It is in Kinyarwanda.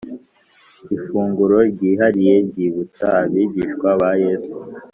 ifunguro ryihariye ryibutsa abigishwa ba Yesu